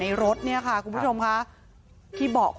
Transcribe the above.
พลิกคว่ำไฟไหมก็เลยมาช่วยกันตรวจสอบมาช่วยกันดับไฟแจ้งเจ้าหน้าที่อ่ะนะคะ